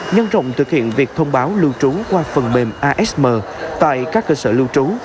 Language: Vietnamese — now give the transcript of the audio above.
nhân rộng thực hiện việc thông báo lưu trú qua phần mềm asm tại các cơ sở lưu trú